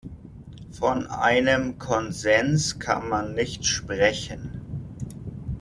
Von einem Konsens kann man nicht sprechen.